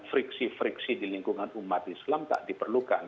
friksi friksi di lingkungan umat islam tak diperlukan